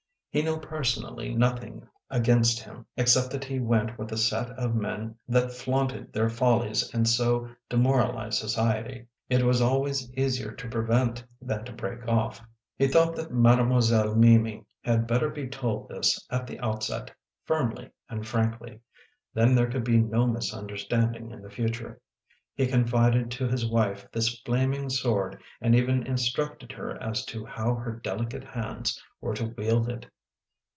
He knew personally nothing against him, except that he went with a set of men that flaunted their follies and so demoralized society. It was always easier to prevent than to break off. He thought that Mademoiselle Mimi had better be told this at the outset, firmly and frankly ; then there could be no misunderstanding in the future. He confided to his wife this flaming sword and even instructed her as to how her delicate hands were to wield it.